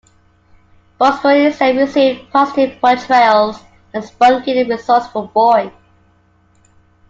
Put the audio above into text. Bosko instead received positive portrayals as a spunky and resourceful boy.